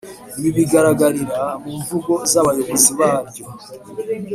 Ibi bigaragarira mu mvugo z abayobozi baryo